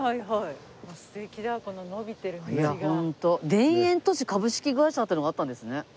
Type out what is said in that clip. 田園都市株式会社っていうのがあったんですね。